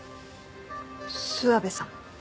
諏訪部さん。